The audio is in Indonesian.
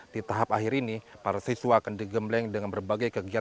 di tahap akhir ini para siswa akan digembleng dengan berbagai kegiatan